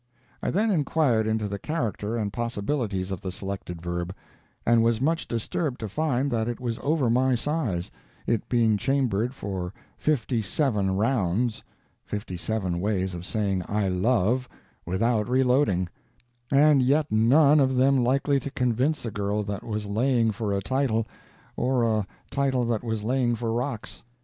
I then inquired into the character and possibilities of the selected verb, and was much disturbed to find that it was over my size, it being chambered for fifty seven rounds fifty seven ways of saying I love without reloading; and yet none of them likely to convince a girl that was laying for a title, or a title that was laying for rocks.